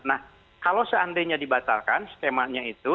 nah kalau seandainya dibatalkan skemanya itu